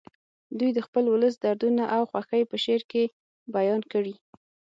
دوی د خپل ولس دردونه او خوښۍ په شعر کې بیان کړي